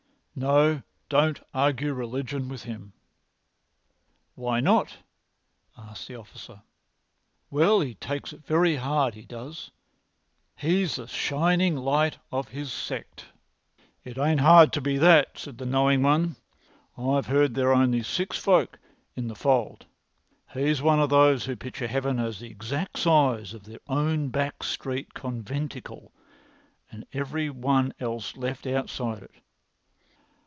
"No, don't argue religion with him." "Why not?" asked the officer. "Well, he takes it very hard, he does. He's the shining light of his sect." "It ain't hard to be that," said the knowing one. "I've heard there are only six folk in the fold. He's one of those who picture heaven as the exact size of their own back street conventicle and every one else left outside it."